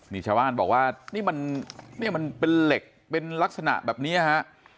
นี่ชาวบ้านบอกว่านี่มันเนี่ยมันเป็นเหล็กเป็นลักษณะแบบนี้ฮะ